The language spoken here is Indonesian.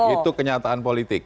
itu kenyataan politik